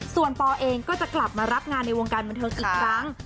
ส่วนปอเองก็จะกลับมารับงานในวงการบันเทิงอีกครั้ง